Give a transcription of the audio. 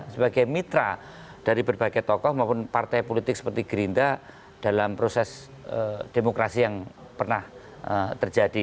sebagai mitra dari berbagai tokoh maupun partai politik seperti gerinda dalam proses demokrasi yang pernah terjadi